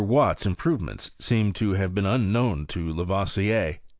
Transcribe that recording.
Watt's improvements seem to have been unknown to Lavoisier.